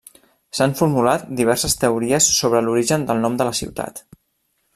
S'han formulat diverses teories sobre l'origen del nom de la ciutat.